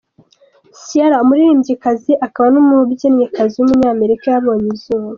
Ciara, umuririmbyikazi akaba n’umubyinnyikazi w’umunyamerika yabonye izuba.